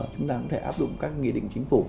chúng ta có thể áp dụng các nghị định chính phủ